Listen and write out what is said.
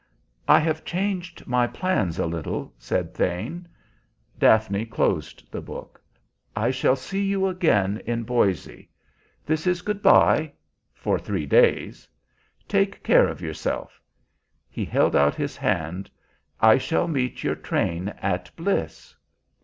"I have changed my plans a little," said Thane. Daphne closed the book. "I shall see you again in Boise. This is good by for three days. Take care of yourself." He held out his hand. "I shall meet your train at Bliss."